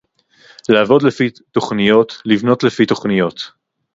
לעבוד לפי תוכניות, לבנות לפי תוכניות